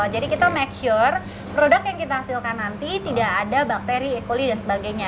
jadi kita make sure produk yang kita hasilkan nanti tidak ada bakteri ekoli dan sebagainya